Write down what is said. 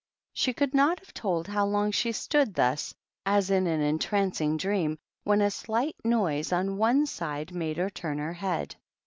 She could not have told how long she stood thus as in an entrancing dream, when a slight noise on one side made her turn her head.